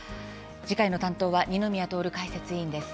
次回の担当は二宮徹解説委員です。